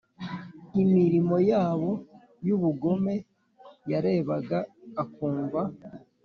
imirimo yabo y ubugome yarebaga akumva